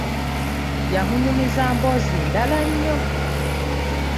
Yamunyumiza emboozi ndala nnyo.